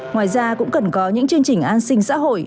ngoài ra cũng cần có những chương trình an sinh